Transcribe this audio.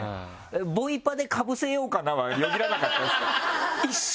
ボイパでかぶせようかな？はよぎらなかったですか？